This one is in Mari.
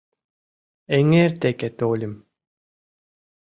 Эҥер деке тольым